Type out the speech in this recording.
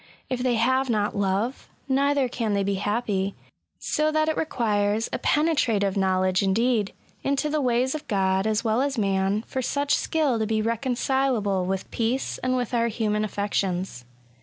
If they have not love, neither can they be happy ; so that it requires a penetra tive knowledge indeed, into the ways of God as well as man, for such skill to be reconcileable with 186 ESSAYS. peace and with our human affections.